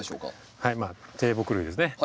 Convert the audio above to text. はい低木類ですね。